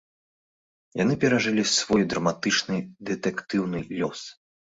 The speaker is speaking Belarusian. Яны перажылі свой драматычна-дэтэктыўны лёс.